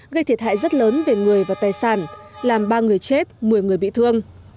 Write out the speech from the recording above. gây thiệt hại rất lớn về người và tài sản làm ba người chết một mươi người bị thương